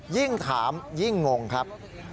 ยิ่งถามยิ่งงงครับ